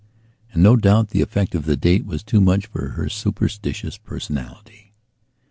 And no doubt the effect of the date was too much for her superstitious personality.